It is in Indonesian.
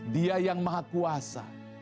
dia yang maha kuasa